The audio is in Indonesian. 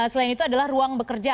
selain itu adalah ruang bekerja